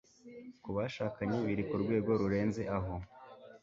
ku bashakanye biri ku rwego rurenze aho